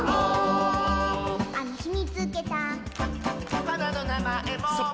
「あのひみつけた」「はなのなまえも」